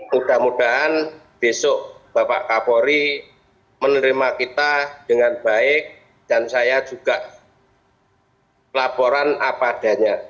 mudah mudahan besok bapak kapolri menerima kita dengan baik dan saya juga laporan apa adanya